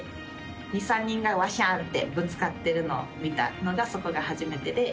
２、３人がわしゃんってぶつかっているのを見たのがそこが初めてで。